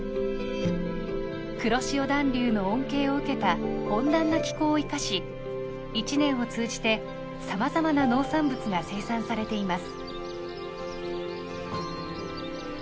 黒潮暖流の恩恵を受けた温暖な気候を生かし一年を通じてさまざまな農産物が生産されています。